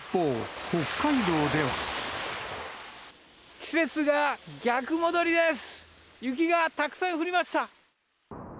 季節が逆戻りです。